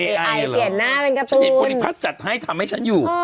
เอไอเปลี่ยนหน้าเป็นการ์ตูนฉันเห็นบริษัทจัดให้ทำให้ฉันอยู่